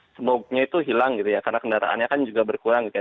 sebabnya itu hilang gitu ya karena kendaraannya kan juga berkurang gitu ya